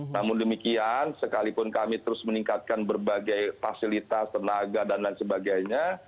namun demikian sekalipun kami terus meningkatkan berbagai fasilitas tenaga dan lain sebagainya